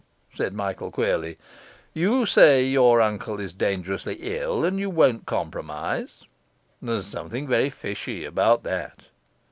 said Michael queerly. 'You say your uncle is dangerously ill, and you won't compromise? There's something very fishy about that.